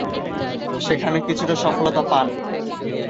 সেখানে কিছুটা সফলতা পান।